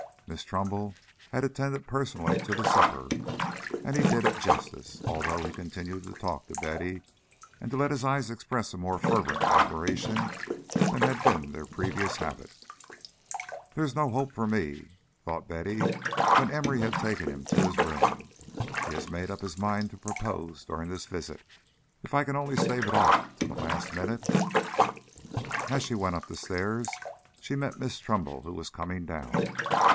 Miss Trumbull had attended personally to the supper, and he did it justice, although he continued to talk to Betty and to let his eyes express a more fervent admiration than had been their previous habit. "There's no hope for me," thought Betty, when Emory had taken him to his room. "He has made up his mind to propose during this visit. If I can only stave it off till the last minute!" As she went up the stair, she met Miss Trumbull, who was coming down.